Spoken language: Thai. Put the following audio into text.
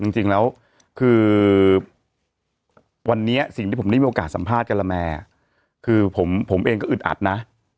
จริงแล้วคือวันนี้สิ่งที่ผมได้มีโอกาสสัมภาษณ์กะละแมคือผมเองก็อึดอัดนะ